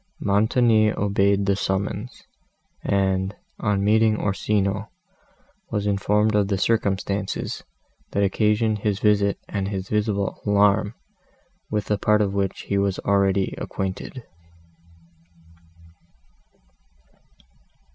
Montoni obeyed the summons, and, on meeting Orsino, was informed of the circumstances, that occasioned his visit and his visible alarm, with a part of which he was already acquainted.